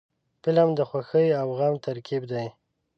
فلم د خوښۍ او غم ترکیب دی